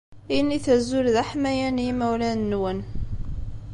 Init azul d aḥmayan i yimawlan-nwen.